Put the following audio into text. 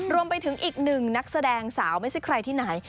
รวมไปถึงอีกหนึ่งนักแสดงสาวไม่ใช่ใครที่ไหน